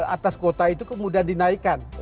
atas kuota itu kemudian dinaikkan